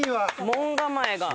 門構えが。